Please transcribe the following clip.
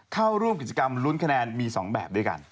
เข้าร่วมกิจกรรมลุ้นคะแนนมี๒แบบด้วยกัน